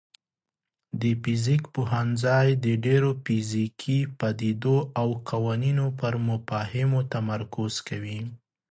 د فزیک پوهنځی د ډیرو فزیکي پدیدو او قوانینو پر مفاهیمو تمرکز کوي.